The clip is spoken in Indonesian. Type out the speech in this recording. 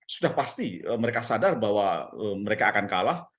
sudah pasti mereka sadar bahwa mereka akan kalah